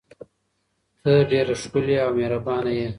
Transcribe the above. ته ډیره ښکلې او مهربانه یې.